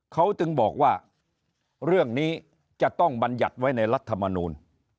เขาจึงบอกว่าเรื่องนี้จะต้องบรรยัติไว้ในรัฐมนูล